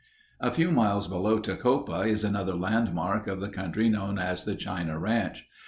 A few miles below Tecopa is another landmark of the country known as the China Ranch.